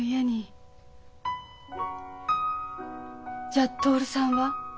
じゃあ徹さんは？